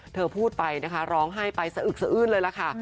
เธอพูดไปนะคะร้องไห้ไปสะอึกสะอื้นเลยล่ะค่ะ